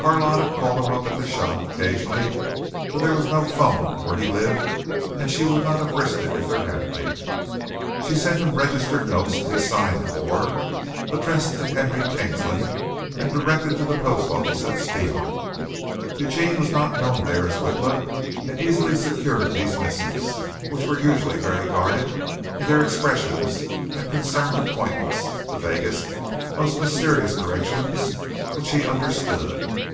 Carlotta called him up at the shop occasionally, for there was no phone where he lived, and she would not have risked it if there had been. She sent him registered notes to be signed for, addressed to Henry Kingsland and directed to the post office at Speonk. Eugene was not known there as Witla and easily secured these missives, which were usually very guarded in their expressions and concerned appointments the vaguest, most mysterious directions, which he understood.